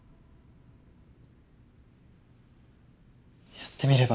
やってみれば？